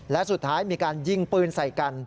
และสุดท้ายมีการยิงปืนใส่กัน